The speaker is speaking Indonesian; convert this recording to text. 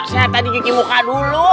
saya tadi gigi muka dulu